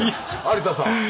有田さん。